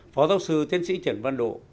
phó giáo sư tiên sĩ trần văn độ